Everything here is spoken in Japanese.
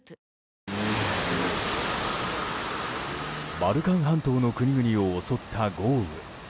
バルカン半島の国々を襲った豪雨。